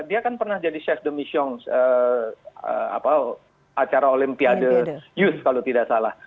dia kan pernah jadi chef de mission acara olimpiade youth kalau tidak salah